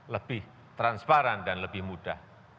lebih transparan dan lebih mudah